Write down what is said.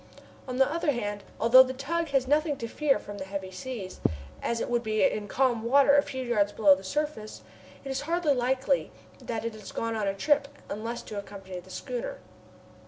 On the other hand, although the tug has nothing to fear from the heavy seas, as it would be in calm water a few yards below the surface, it is hardly likely that it has gone on a trip unless to accompany the schooner.